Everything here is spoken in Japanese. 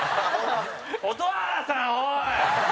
蛍原さん、おい！